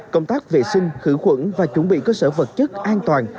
công tác vệ sinh khử khuẩn và chuẩn bị cơ sở vật chất an toàn